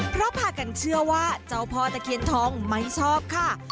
เพราะพากันเชื่อว่าเจ้าพ่อตะเคียนทองไม่ชอบค่ะ